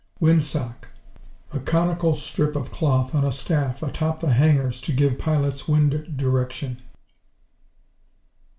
Wind sock A conical strip of cloth on a staff atop the hangars to give pilots wind direction.